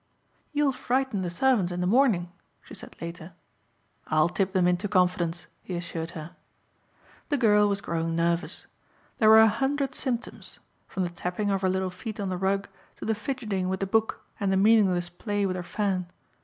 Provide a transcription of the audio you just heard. "You'll frighten the servants in the morning," she said later. "I'll tip them into confidence," he assured her. The girl was growing nervous. There were a hundred symptoms from the tapping of her little feet on the rug to the fidgeting with the book and the meaningless play with her fan.